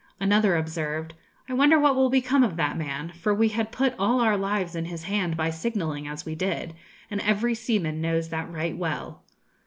Another observed, 'I wonder what will become of that man; for we had put all our lives in his hand by signalling as we did; and every seaman knows that right well.'